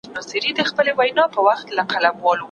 چي به کله د دمې لپاره تم سو